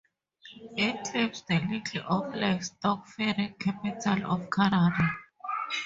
It claims the title of Livestock Feeding Capital of Canada.